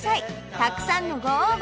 たくさんのご応募